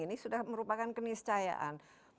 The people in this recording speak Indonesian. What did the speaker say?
ini sudah merupakan keniscayaan